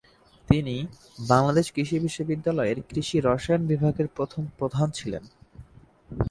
তিনি বাংলাদেশ কৃষি বিশ্ববিদ্যালয়ের কৃষি রসায়ন বিভাগের প্রথম প্রধান ছিলেন।